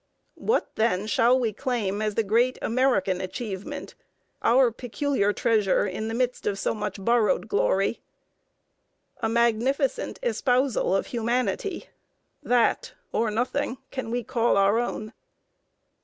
What, then, shall we claim as the great American achievement, our peculiar treasure in the midst of so much borrowed glory? A magnificent espousal of humanity that or nothing can we call our own.